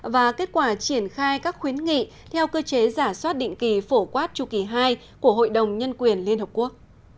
và kết quả triển khai các khuyến nghị theo cơ chế giả soát định kỳ phổ quát chu kỳ hai của hội đồng nhân quyền liên hợp quốc